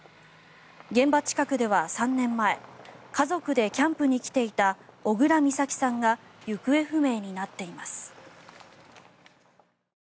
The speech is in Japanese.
現場近くでは３年前家族でキャンプに来ていた小倉美咲さんが行方不明になっています。